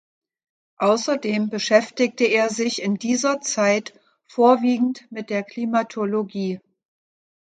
Außerdem beschäftigte er sich in dieser Zeit vorwiegend mit der Klimatologie.